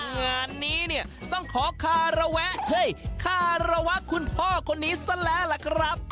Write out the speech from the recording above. งานนี้ต้องขอฆ่าคาราแวฆ่าคาราวะคุณพ่อคนนี้แหละครับ